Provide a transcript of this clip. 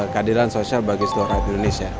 keadilan sosial bagi seluruh rakyat indonesia